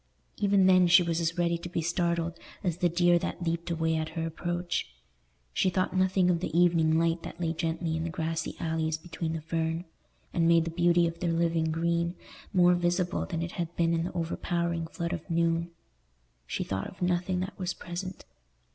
Even then she was as ready to be startled as the deer that leaped away at her approach. She thought nothing of the evening light that lay gently in the grassy alleys between the fern, and made the beauty of their living green more visible than it had been in the overpowering flood of noon: she thought of nothing that was present.